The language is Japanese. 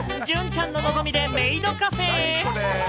隼ちゃんの望みでメイドカフェへ。